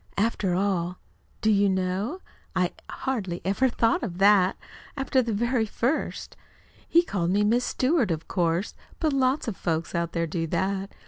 "After all, do you know? I hardly ever thought of that, after the very first. He called me Miss Stewart, of course but lots of folks out there do that.